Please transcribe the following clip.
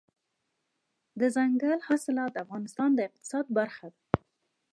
دځنګل حاصلات د افغانستان د اقتصاد برخه ده.